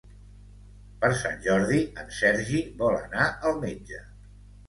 Per Sant Jordi en Sergi vol anar al metge.